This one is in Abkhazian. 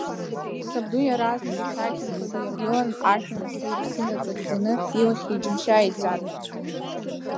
Сабду иаразнак ишәақь нкыдиргылан, ажәҩан ихи-иԥси наҵакӡаны илахьи-иџьымшьи ааиӡатәит.